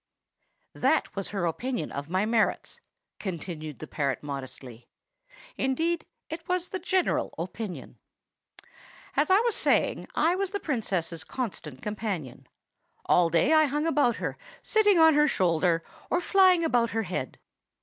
"That was her opinion of my merits," continued the parrot modestly. "Indeed, it was the general opinion. "As I was saying, I was the Princess's constant companion. All day I followed her about, sitting on her shoulder, or flying about her head.